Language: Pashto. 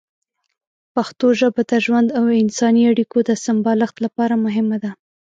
پښتو ژبه د ژوند او انساني اړیکو د سمبالښت لپاره مهمه ده.